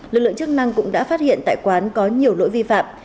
lực lượng chức năng cũng đã phát hiện tại quán có nhiều lỗi vi phạm